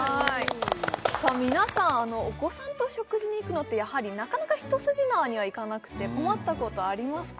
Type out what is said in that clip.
皆さんお子さんと食事に行くのってやはりなかなか一筋縄にはいかなくて困ったことありますか？